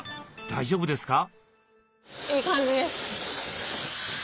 大丈夫ですか？